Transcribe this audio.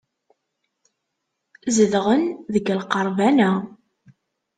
Zedɣent deg lqerban-a.